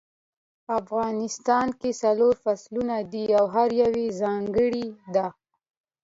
افغانستان کې څلور فصلونه دي او هر یو ځانګړی ده